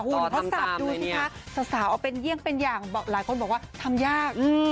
หุ่นเพราะสับดูสิคะสาวสาวเอาเป็นเยี่ยงเป็นอย่างบอกหลายคนบอกว่าทำยากอืม